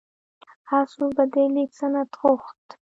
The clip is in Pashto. هر څوک به د لیک سند غوښت.